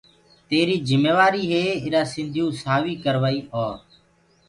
تيريٚ جميوآريٚ هي ايرآ سنڌيئو سآويٚ ڪروآئيٚ اور